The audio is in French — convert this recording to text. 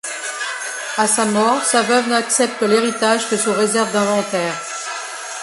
À sa mort, sa veuve n'accepte l'héritage que sous réserve d'inventaire.